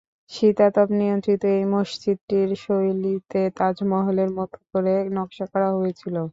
শীতাতপ নিয়ন্ত্রিত এই মসজিদটির শৈলীতে তাজমহলের মতো করে নকশা করা হয়েছিল।